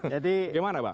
jadi bagaimana bang